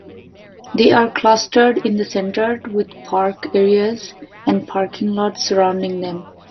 They are clustered in the center, with park areas and parking lots surrounding them.